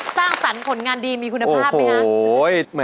สร้างสรรค์ผลงานดีมีคุณภาพไหมคะ